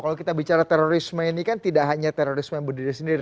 kalau kita bicara terorisme ini kan tidak hanya terorisme yang berdiri sendiri